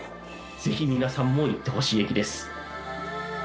ぜひ皆さんも行ってほしい駅です。